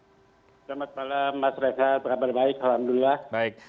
selamat malam mas reza kabar baik alhamdulillah